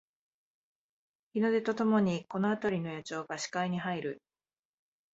日の出とともにこのあたりの野鳥が視界に入る